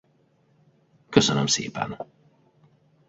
Köszönöm szépen!